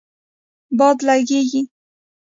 باد لږیږی